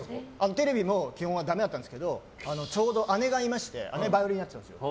テレビも基本はダメだったんですけど姉がいまして姉バンドやってたんですよ